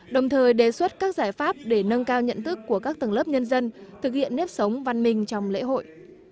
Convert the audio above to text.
đồng thời đề xuất các giải pháp để nâng cao nhận thức của các tầng lớp nhân dân thực hiện nếp sống văn minh trong lễ hội